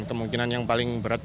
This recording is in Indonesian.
kemungkinan yang paling berat